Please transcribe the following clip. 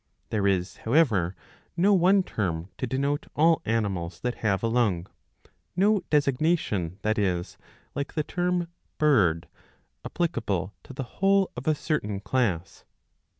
^^ There is however no one term to denote all animals that have a lung, no designation, that is, like the term Bird, applicable to the whole of a certain class.